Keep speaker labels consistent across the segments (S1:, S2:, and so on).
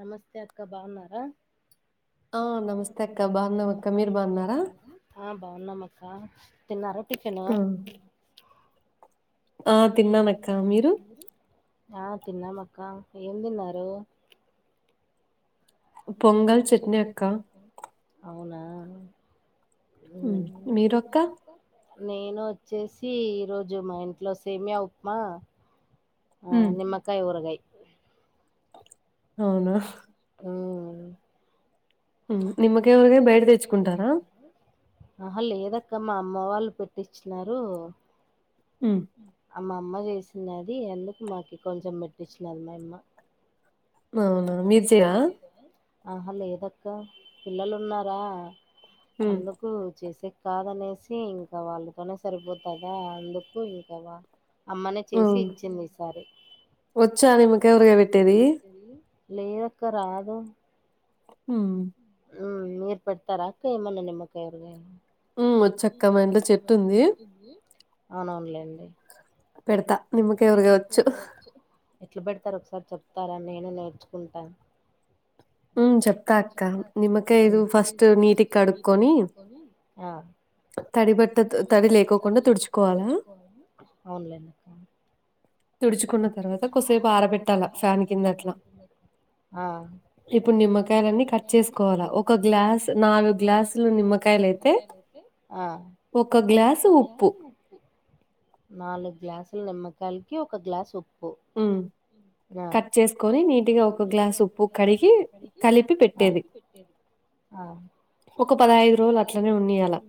S1: నమస్తే అక్క బావున్నారా ఆ బాగున్నాం అక్క తిన్నార టిఫిన్
S2: ఆ తిన్నానక్క మీరు
S1: ఆ తిన్నానక్క ఏం తిన్నారు అవునా నేను వచ్చేసి ఈరోజు మా ఇంట్లో సేమ్యా ఉప్మా ఆ నిమ్మకాయ ఊరగాయ
S2: అవున హ్
S1: ఆ అవును అహా లేదు అక్క మా అమ్మ వాళ్ళు పెట్టిచ్చినారు అమ్మా అమ్మ చేసిన్ అది ఎందుకు మాకి కొంచెం పేట్టిచ్చినది మాయమ్మ
S2: అవునా మీర్ చేయ
S1: ఆహా లేదక్క పిల్లలున్నారా అందుకు చేసేక్ కాదనేసి ఇంకా వాళ్ళతోనే సరిపోతదా అందుకు ఇంకవా అమ్మనే చేసి ఇచ్చింది ఈ సారి లేదక్క రాదు
S2: హుమ్
S1: ఉ మీర్ పెడతారా అక్క ఎమన్నా నిమ్మకాయలు గాని
S2: ఉమ్ వచ్చక్క మా ఇంట్లో చెట్టు ఉంది
S1: అవునవున్లేండి ఎట్లా పెడతారు ఒకసారి చెప్ చెప్తారా నేను నేర్చుకుంటాను ఉ ఆ అవున్లె
S2: తడు చ్
S1: ఆ
S2: ఇప్పుడు నిమ్మకాయలన్నీ కట్ చేసుకోవాల ఒక గ్లాస్ నాలుగు గ్లాసులు నిమ్మకాయలు అయితే
S1: అ నాలుగ్ గ్లాసుల నిమ్మకాయలకి ఒక గ్లాస్ ఉప్పు
S2: మ్ కట్ చేసుకొని నీట్గా ఒక గ్లాసు ఉప్పు కడిగి కలిపి పెట్టేది ఒక పదహయిదు రోజులు అట్లనే ఉన్నియలా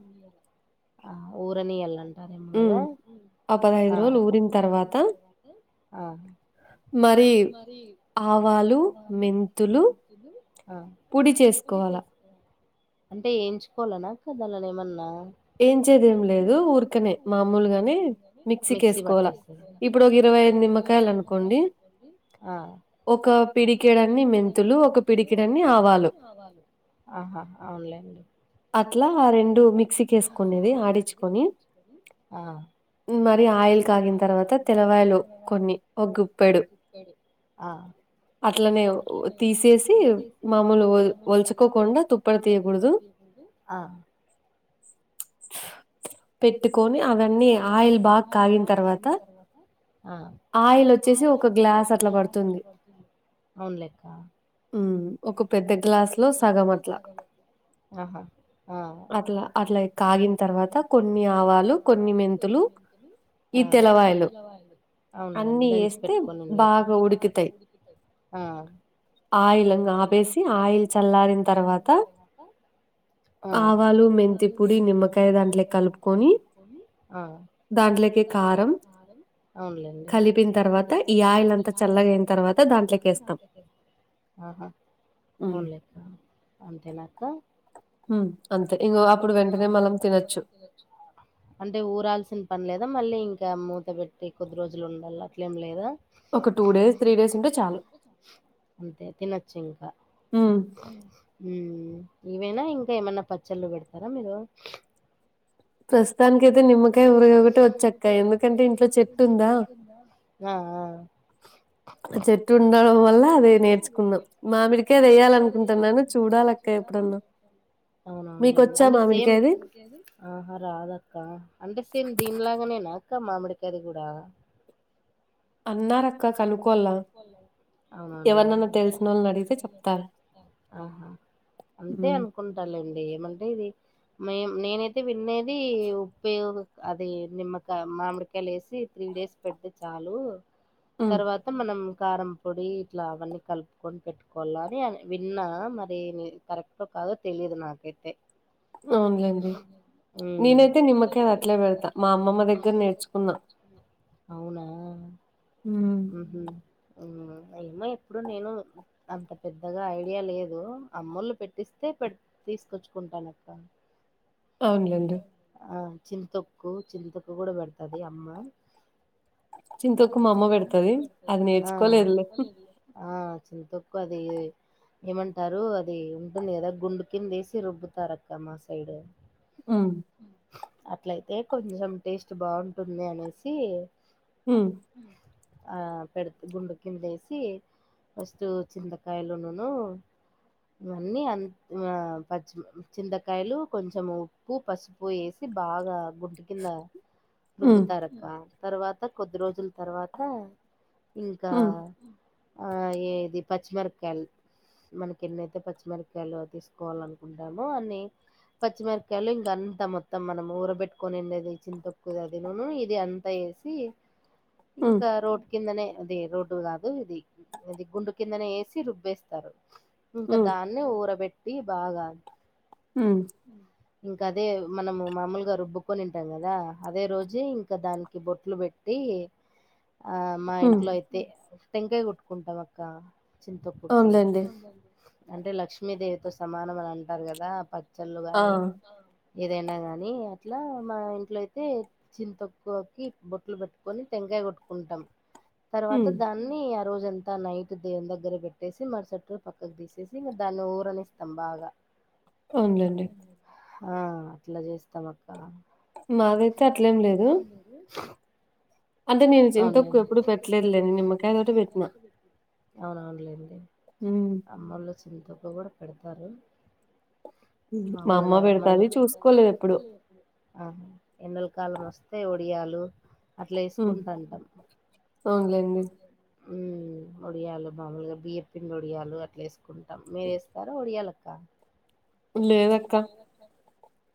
S1: ఆ ఊరని ఇయళ్ళంటారేమో కదా
S2: ఆ పదహైదు రోజుల్ ఊరిన తర్వాత
S1: ఆ
S2: మరి
S1: అ అంటే ఎంచుకోవాలనా కద అలానే ఏమన్నా
S2: ఏం చేదేం లేదు ఊర్కనే మామూల్గాని మిక్సీకి వేసుకోవాల ఇప్పుడు ఒకరోజు ఇరవైద్ నిమ్మ క్
S1: ఆ ఆహా అవున్లే అండి
S2: అట్లా రెండు మీక్
S1: ఆ
S2: మరి ఆయిల్ కాగిన తర్వాత తెలవాయిలు కొన్ని ఒ గుప్పెడు అట్లనే తీసేసి మామూలు ఒ ఒలుచుకోకుండా తుప్పడు తీయకూడదు
S1: ఆ పెట్టుకోని అవన్నీ ఆయిల్ బాగ్కాగిన్ తర్వాత. ఆ
S2: ఆయిల్ ఓచ్చేసి ఒక గ్లాస్ అట్లా పడుతుంది
S1: అవున్లెక్క ఆహా ఆ
S2: అట్లా అట్లా కాగిన తర్వాత కొన్ని ఆవాలు కొన్ని మెంతులు
S1: ఆ అవున్లేండి దంచి పెట్కొనుండేటివి ఆహ్
S2: ఆయిల్ ఇంగ్ ఆపేసి ఆయిల్ చల్లారిన్ తర్వాత
S1: ఆ
S2: లు మెంతి పొడి నిమ్మకాయ దాంట్లే కలుపుకొన్
S1: ఆ దాంట్లోకి కారాం అవున్లేండి కలిగిన తర్వాత ఈ ఆయిల్ చల్లగా
S2: దాంట్లేకేస్తాం
S1: ఆహా ఆవున్లేక్క అంతేనక్క
S2: అంతే ఇంగో అప్పుడు వెంటనే మనం తినొచ్చు
S1: అంటే ఊరాల్సిన పన్లేదా మళ్ళీ ఇంకా మూత పెట్ టే కొద్ది రోజులు ఉండాలి అట్లేం లేదా ఒక టూ డేస్ త్రీ డేస్ ఉంచాలి అంతే తినొచ్చు ఇంకా ఉమ్ ఇవేనా ఇంకా ఏమన్నా పచ్చళ్ళు పెడతారా మీరు అ ప్రస్తుతానికైతే నిమ్మకాయ ఆ ఆహ్ అన్నారు కదా
S2: చెట్టు ఉండడం వల్ల అదే నేర్చుకున్నా మామిడికయ అది ఎయాల్ అనుకుంటున్నాను చూడాల
S1: అవునా అన్లెండి అంత సేమ్ ఆహా రాదక్క అంటే సేమ్ దీన్లాగానేనా అక్క మామిడికాయల్ కూడా
S2: అన్నారక్
S1: అవునా అన్లెండి ఆహా అంతే అనుకుంటలెండి ఏమంటే ఇది మేమ్ నేనైతే విన్నది ఉప్పేర్ అది నిమ్మకాయ మామిడికాయల్ ఎసి పిండెస్ పెడ్తే చాలు తర్వాత మనం కారం పొడి ఇట్లా అవన్నీ కలుపుకొని పెట్టుకోవాల అని విన్నా మరి మీరు కరెక్ట్ అదే తెలిద్ నాకైతే ఉమ్ అవునా మ్మ్ హు ఎంమ్లె ఎమ్మో ఎప్పుడు నేను అంత పెద్దగా ఐడియా లేదు అమ్మోల్ పెట్టిస్తే పెట్ తీస్కొచ్చుకుంటానక్క
S2: అవ్న్లేండి
S1: చింత్తోక్కు చింతక్కు కూడా పెడతది అమ్మ
S2: చింత్తొక్కు మామ్మ వేడ్త్
S1: ఆ ఆ చింతొక్కు అది ఏమంటారు అది ఉంటుంది కదా గుండుకిందేసి రుబ్బుతారు అక్క మా సైడ్
S2: ఉమ్
S1: అట్లయితే కొంచం టేస్ట్ బాగుంటుంది అనేసి ఆ పెడ్త్ గుండు కిందేసి ఫస్టూ చింతకాయలునును ఇవన్నీ అంత్ మ్యా పచ్చి చింతకాయలు కొంచం ఉప్పు పసుపు ఎసి బాగా గుట్టు కింద రుబ్బు తరబ్బ తర్వాత కొద్ది రోజుల్ తర్వాత ఇంకా ఆ ఏది పచ్చిమిర్ప్కాయలు మనకి ఎన్నైతే పచ్చిమిరకాయలు తీసుకోవాలనుకుంటామో అన్ని పచ్చిమిరకాయలు ఇంకా అంతా మొత్తం మనం ఊరబెట్టుకొని ఉండది చింత తక్కుది అది నను ఇది అంతా వేసి ఇంకా రోడ్డు కిందనే అదే రోడ్డు కాదు ఇది ఇది గుండు కిందనే వేసి రుబ్బేస్తారు ఇంకా దాన్నే ఊరబెట్టి బాగా
S2: హమ్
S1: ఇంకా అదే మనము మామూలుగా రుబ్బుకొని ఉంటాం కదా అదే రోజే ఇంకా దానికి బొట్లు పెట్టి ఆ మా ఇంట్లో అయితే టంకాయ్ కొట్టుకుంటాం అక్క చింతపుకి అంటే లక్ష్మీదేవితో సమానం అని అంటారు కదా ప చల్లు గాని ఏదైనా గాని అట్లా మా ఇంట్లో అయితే చింతక్కువకి బొట్టలు పెట్టుకొని టెంగాయ కొట్టుకుంటాం తర్వాత దాన్ని రోజంతా నైట్ దేని దగ్గర పెట్టేసి మరి చెట్టు పక్కకు తీసేసి దాన్ని ఊరని ఇస్తాం బాగా ఆ అట్లా చేస్తాం అ మదైతే అంతేం లేదు
S2: అంటే నేను చింతాకు ఎప్పుడు పెట్టలేదులేని నిమ్మకాయ తోటి పెట్టినా
S1: అవునవునులేండి అమ్మ వాళ్ళు చింతాకు కూడా పెడతారు మామూలుగా మళ్ళీ ఆ ఎండలకాలం వస్తే ఒడియాలు అట్లా వేసుకుంటా ఉంటాం
S2: ఆవును లేండి
S1: ఉమ్ వడియాలు మామూలుగా బియ్య పిండి ఒడియాలు అట్లా వేసుకుంటాం మీరు వేస్తారు ఒడియాలు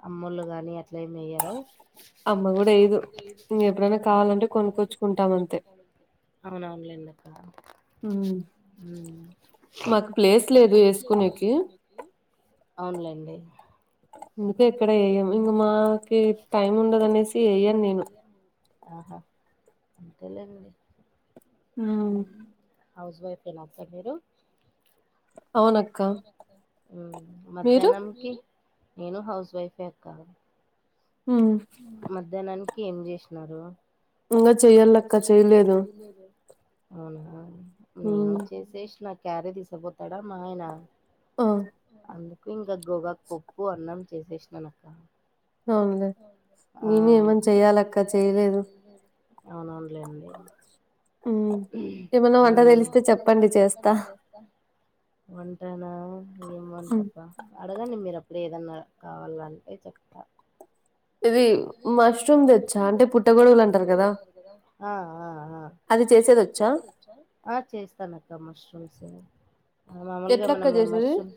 S1: అమ్మేలు గాని అట్ల ఏమి వేయ్యరా
S2: అమ్మ కూడా వేయదు ఇక ఎప్పుడైనా కావాలంటే కొనుక్కొచ్చుకుంటాం అంతే
S1: అవున అవునులేండి అక్క
S2: ఉమ్ మాకు ప్లేస్ లేదు వేసుకునేకి
S1: అవును లేండి ఆహా అంతే లేండి
S2: ఆమ్
S1: హౌస్ వైఫ్ ఏనా అసలు మీరు ఉమ్ మధ్యాహ్నంకి నేను హౌస్ వైఫే అక్క మధ్యాహ్నానికి ఏం చేసినారు
S2: ఇంకా చెయ్యాలక్క చెయలేదు
S1: అవునా నేను చేసేసినా క్యారీ తీసుకపోతాడా మా ఆయన
S2: ఆ
S1: ఇంకా గోగాకు పప్పు అన్నం చేసేసినాను అక్క
S2: అవునులే నేను ఏమన్నా చెయాలక్క చేయలేదు
S1: అవునవునులేండి
S2: ఉమ్ ఏమన్నా వంట తెలిస్తే చెప్పండి చేస్తా
S1: వంటనా ఏం వంట అక్క అడగండి మీరు ఇప్పుడు ఏదన్నా కావాలంటే చెప్తా అంటే మషేరుమ్ తెచ్చా అంటే పుట్ట గొడుగులు అంటారు. కదా ఆ చేస్తాను అక్క మష్రూమ్ సే మాముూలుగా మనము మష్రూమ్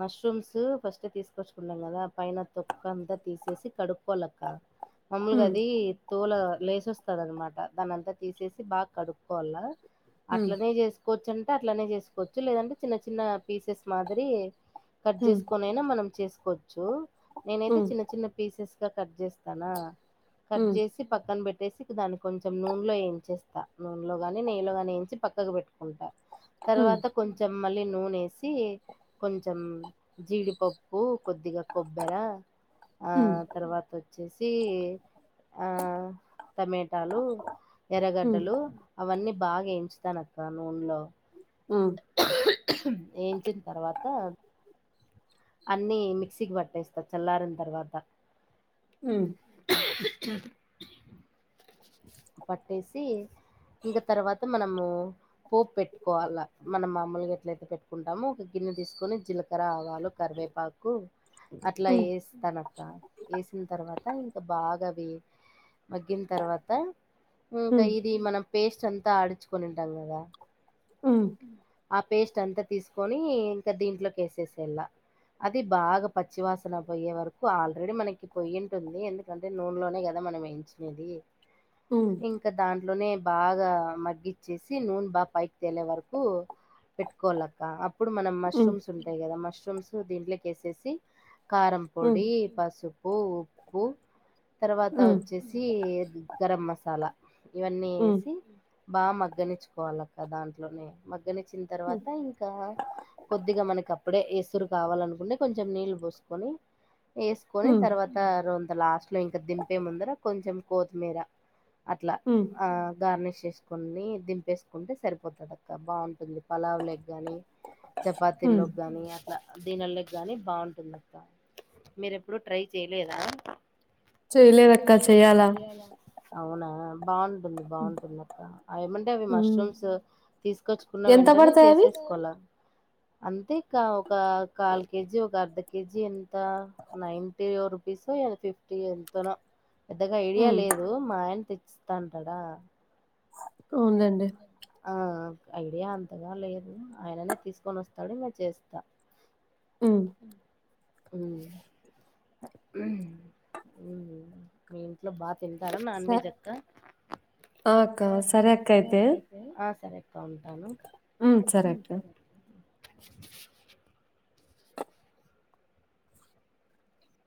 S1: మష్రూమ్స్ ఫస్ట్ తీసుకొచ్చుకుంటాం కదా పైన తొక్క అంతా తీసేసి కడుక్కోవాలి అక్క మామలుగా అది తోలు లేసి వస్తంది అన్నమాట దానింతా తీసేసి బాగా కడుక్కోవాలా అట్లనే చేసుకోవచ్చు అంట అట్లానే చేసుకోవచ్చు లేదంటే చిన్న చిన్న పీసెస్ మాదిరి కట్ చేసుకుని అయినా మనం చేసుకో వచ్చు నేనైతే పస కట్ చేస్తా కట్ చే పక్క పెట్ పెట్టేసి ఇ దాని కొంచెం నూనెలో వేయించేస్తాను నూనెలోగాని నెయ్యలో గాని వంచి పక్కకు పెట్టుకుంటా తర్వాత కొంచెం మళ్ళీ నూనేసి కొంచెం జీడిపప్పు కొద్దిగా కొబ్బర ఆ తర్వాత వచ్చేసి ఆ టమటాలు ఎర్రగడ్డలు అవన్నీ బాగా వేయించుతాను అక్క నూనెలో ఏంటిన తర్వాత అన్ని మిక్సీకి పట్టేస్తారు చల్లారిన తర్వాత
S2: ఆ
S1: పట్టేసి ఇంకా తర్వాత మనము పోపు పెట్టుకోవాలి మన మామలుగా ఎట్లయితే పెట్టుకుంటామో ఒక గిన్నె తీసుకొని జీలకర్ర ఆవాలు కర కరేపాకు అట్లా వేస్త తానక్క వేసిన తర్వాత ఇంకా బాగా వ మగ్గిన తర్వాత ఇంకా ఇది మనం పేస్ట్ అంతా ఆడిచుకునింటాం కదా ఆ పేస్ట్ అంతా తీసుకొని ఇంకా దీంట్లోకి వేసేసేళ అది బాగా పచ్చివాసన పోయే వరకు ఆల్రెడీ మనకి పొయి్య ఉంటుంది ఎందుక అంటే నూనెలోనే కదా మనం వంచినది ఇంకా దా ఇట్లోనే బాగా మగ్గిచ్చేసి నూనె బాగా పైకి తేలే వరకు పెట్టుకోవాలక్క అప్పుడు మనం మష్రూమ్స్ ఉంటాయి కదా మష్రూమ్స్ దీంట్లోకి వేసేసి కారంపొడి పసుపు ఉప్పు తర్వాత వచ్చేసి గరం మసాలా ఇవన్నీ వేసి బాగా మగ్గనిచ్చుకోవాలి అక్క దాంట్లోనే మగ్ గనిచ్చిన తర్వాత ఇంకా కొద్దిగా మనకి అప్పుడే వ కూతురు కావాలనుకుంటే కొంచెం నీళ్ళు పోసుకొని వేసుకొని తర్వాత రంత లాస్ట్ అ ఇంకా దింపే ముందర కొంచెం కొతిమీర అట్లా గార్నిష్ చేసుకొని దింపేసుకుంటే సరిపోతుంది అక్క బాగుంటుంది పలావులకి కానీ చపాతీలోకి కానీ అట్లా దీనిల్లకి కానీ బాగుంటుందిత్తా మీరు ఎప్పుడూ ట్రై చేయలేదా
S2: చెయలేదక్క చెయ్యాలా
S1: అవునా బాగుంటుంది బాగుంటుంది అక్క ఏమంటే అవి మష్రూమ్స్ తీసుకొచ్చుకున్న వెంటనే చేసే అంతే ఇకా ఒక కాలకి కేజీ ఒక అర్ధ కేజీ ఎంత నై రుపీస్ ఫిఫ్టీ ఎంతను పెద్దగా ఐడియా లేదు మా ఆయన తెచ్చిస్తాంటాడా ఆ ఐడియా అంతగా లేదు ఆయననే తీసుకొని వస్తాడు మేము చేస్తా
S2: అ
S1: మీ ఇంట్లో బా తింటారు నాన్ వెజ్ అక్కఓ సర సరే ఎక్కు ఉంటాను
S2: ఉ సరేక్క